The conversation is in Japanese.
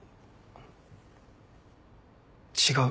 違う。